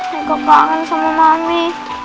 saya kepangan sama mami